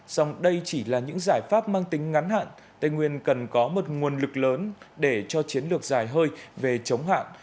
song đây chỉ là những giải pháp mang tính ngắn hạn tây nguyên cần có một nguồn lực lớn để cho chiến lược dài hơi về chống hạn